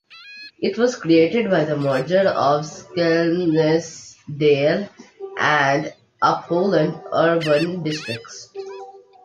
It was created by the merger of Skelmersdale and Upholland urban districts.